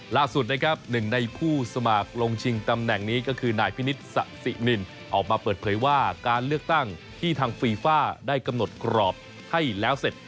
ล่าสุดนะครับหนึ่งในผู้สมัครลงชิงตำแหน่งนี้ก็คือนายพินิษฐสะสินินออกมาเปิดเผยว่าการเลือกตั้งที่ทางฟีฟ่าได้กำหนดกรอบให้แล้วเสร็จ